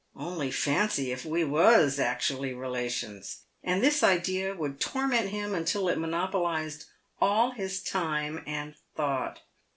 Only fancy if we was actually relations!" And this idea would torment him until it monopolised all his time and thought.